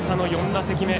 ４打席目。